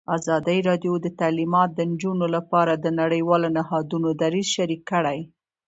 ازادي راډیو د تعلیمات د نجونو لپاره د نړیوالو نهادونو دریځ شریک کړی.